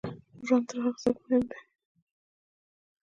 ژوند تر هغه زیات مهم دی.